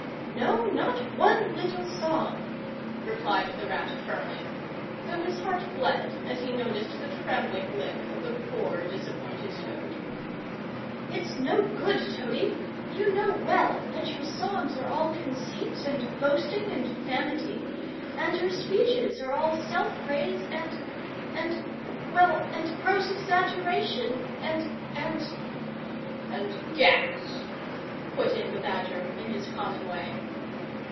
"No, not one little song," replied the Rat firmly, though his heart bled as he noticed the trembling lip of the poor disappointed Toad. "It's no good, Toady; you know well that your songs are all conceit and boasting and vanity; and your speeches are all self praise and—and—well, and gross exaggeration and—and——" "And gas," put in the Badger, in his common way.